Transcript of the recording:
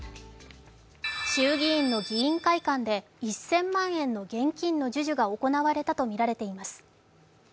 衆議院の議員会館で１０００万円の現金の授受が行われたとみられています。